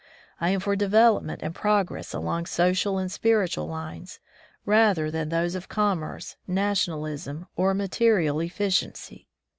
I am for development and progress along social and spiritual lines, rather than those of commerce, nationalism, or material eflSciency.